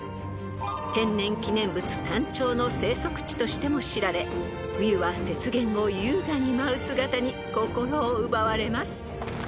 ［天然記念物タンチョウの生息地としても知られ冬は雪原を優雅に舞う姿に心を奪われます］